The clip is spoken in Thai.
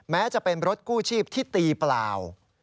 แม้จะเป็นรถกู้ชีพที่ตีเปล่า